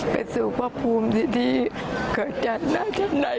ไปสู่พระภูมิที่ที่เกิดจากหน้าชะไหน